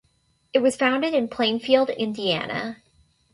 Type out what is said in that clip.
It was founded in Plainfield, Indiana.